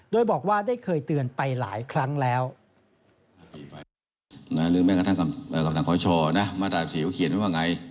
โดยบอกว่าได้เคยเตือนไปหลายครั้งแล้ว